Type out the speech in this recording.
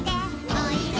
おいで。